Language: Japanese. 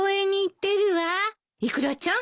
イクラちゃん？